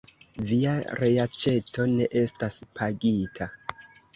Via reaĉeto ne estas pagita!